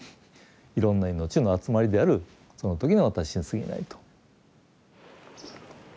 いろんな命の集まりであるその時の私にすぎないと。